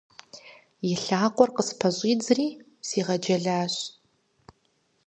И лъакъуэр къыспэщӏидзри, сигъэджэлащ.